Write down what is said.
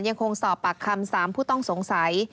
ยังคงสอบปากคำ๓ผู้ต้องสงสัย